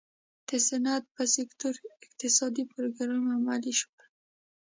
د صنعت په سکتور کې اقتصادي پروګرامونه عملي شول.